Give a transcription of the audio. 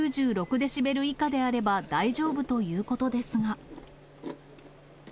デシベル以下であれば大丈夫ということですが。